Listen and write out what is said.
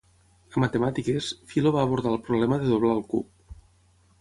A matemàtiques, Philo va abordar el problema de doblar el cub.